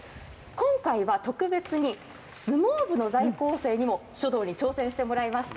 今回は特別に相撲部の在校生にも書道に挑戦してもらいました。